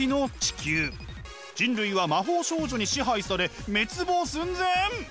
人類は魔法少女に支配され滅亡寸前！